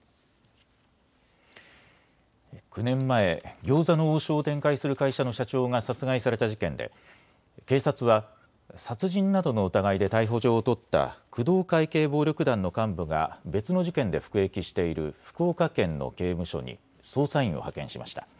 ９年前、餃子の王将を展開する会社の社長が殺害された事件で警察は殺人などの疑いで逮捕状を取った工藤会系暴力団の幹部が別の事件で服役している福岡県の刑務所に捜査員を派遣しました。